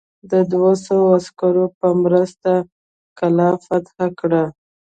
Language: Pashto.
د دوه سوه عسکرو په مرسته قلا فتح کړه.